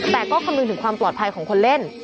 แต่ก็คำนึงถึงความปลอดภัยของคนเล่น